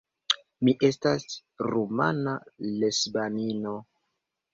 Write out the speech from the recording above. Mi estas rumana lesbanino.